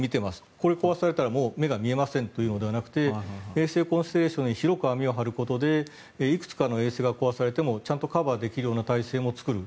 これが壊されたら、もう目が見えませんというのではなくて衛星コンステレーションに広く網を張ることでいくつかの衛星が壊されてもちゃんとカバーできる体制を作る。